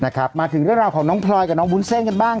นะครับมาถึงเรื่องราวของน้องพลอยกับน้องบุญเซ่นกันบ้าง